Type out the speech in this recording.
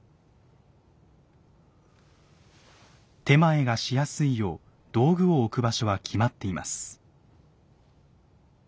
点前がしやすいよう道具を置く場所は決まっています。